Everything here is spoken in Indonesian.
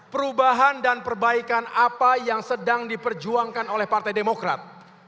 perubahan dan perbaikan apa yang sedang diperjuangkan oleh partai demokrat